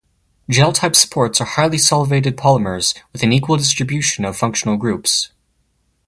Gel-type supports are highly solvated polymers with an equal distribution of functional groups.